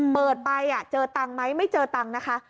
เปิดไปเจอตังค์ไหมไม่เจอตังค์นะคะ